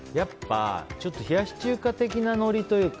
冷やし中華的なノリというか。